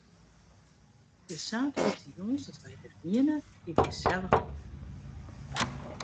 De saterdeitejûns dat wy der wiene, wie it gesellich drok.